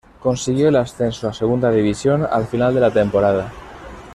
Consiguió el ascenso a Segunda División al final de la temporada.